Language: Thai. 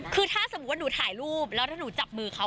คือถ้าสมมุติว่าหนูถ่ายรูปแล้วถ้าหนูจับมือเขา